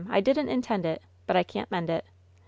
I didn't intend it, but I can't mend it.